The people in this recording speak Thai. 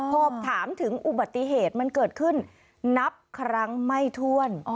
พอถามถึงอุบัติเหตุมันเกิดขึ้นนับครั้งไม่ถ้วน